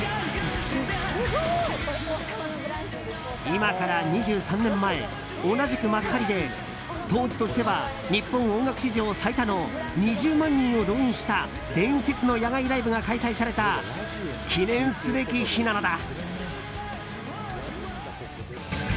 今から２３年前、同じく幕張で当時としては日本音楽史上最多の２０万人を動員した伝説の野外ライブが開催された記念すべき日なのだ。